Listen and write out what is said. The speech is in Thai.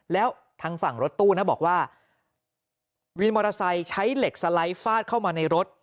แล้วทางฝั่งรถตู้นะบอกว่าวินมอเตอร์ไซค์ใช้เหล็กสไลด์ฟาดเข้ามาในรถ